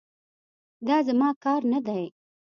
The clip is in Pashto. دا زما کار نه دی.